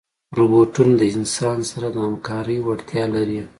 روبوټونه د انسان سره د همکارۍ وړتیا لري.